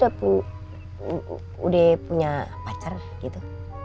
emang pak rizal udah punya pacar gitu